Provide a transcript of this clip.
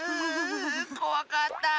こわかった！